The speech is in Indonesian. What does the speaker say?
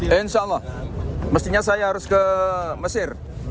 ya insya allah mestinya saya harus ke mesir